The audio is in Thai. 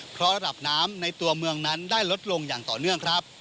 เพราะระดับน้ำในตัวเมืองนั้นได้ลดลงอย่างต่อเนื่องครับ